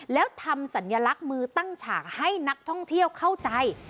แล้วทำสัญลักษณ์มือตั้งฉากให้นักท่องเที่ยวเข้าใจ